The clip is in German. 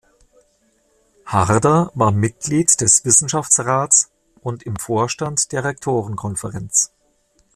Harder war Mitglied des Wissenschaftsrats und im Vorstand der Rektorenkonferenz.